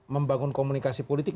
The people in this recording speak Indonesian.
membangun komunikasi politik